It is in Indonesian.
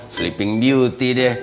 sleeping beauty deh